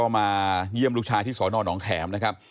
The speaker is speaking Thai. มาเยี่ยมลูกชายที่สอนอนองแขมนะครับ